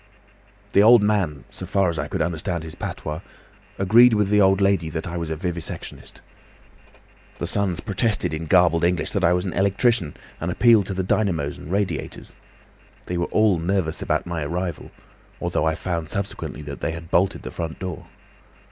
"The old man, so far as I could understand his patois, agreed with the old lady that I was a vivisectionist. The sons protested in garbled English that I was an electrician, and appealed to the dynamos and radiators. They were all nervous about my arrival, although I found subsequently that they had bolted the front door.